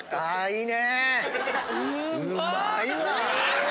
いいね！